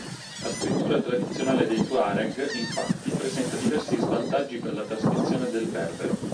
La scrittura tradizionale dei tuareg, infatti, presenta diversi svantaggi per la trascrizione del berbero.